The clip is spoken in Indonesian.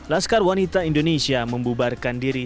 laskar wanita indonesia membubarkan diri